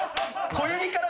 小指から？